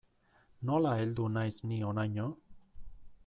Nola heldu naiz ni honaino.